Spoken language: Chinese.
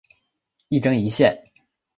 一针一线